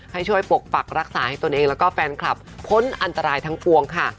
ให้ช่วยปกปักรักษาให้ตนเองแล้วก็แฟนคลับพ้นอันตรายทั้งปวงค่ะ